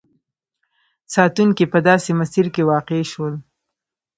ساتونکي په داسې مسیر کې واقع شول.